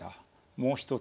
もう一つ。